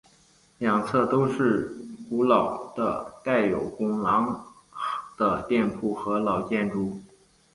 两侧都是古老的带有拱廊的店铺和老建筑。